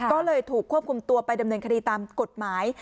ก็เลยถูกควบคุมตัวไปดำเนินคดีตามกฎหมาย